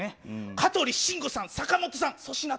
香取慎吾さん、坂本さん、粗品って。